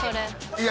いや